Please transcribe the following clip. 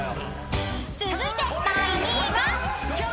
［続いて第２位は？］